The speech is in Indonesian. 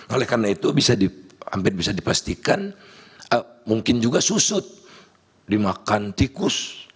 oleh karena itu hampir bisa dipastikan mungkin juga susut dimakan tikus